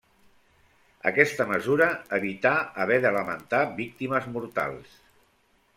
Aquesta mesura evità haver de lamentar víctimes mortals.